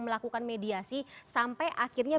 melakukan mediasi sampai akhirnya